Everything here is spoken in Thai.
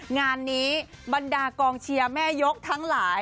งานนี้บรรดากองเชียร์แม่ยกทั้งหลาย